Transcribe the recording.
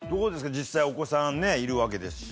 実際お子さんねいるわけですし。